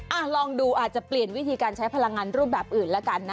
ลองดูอาจจะเปลี่ยนวิธีการใช้พลังงานรูปแบบอื่นแล้วกันนะ